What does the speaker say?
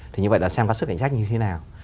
thì như vậy là xem các sức cạnh tranh như thế nào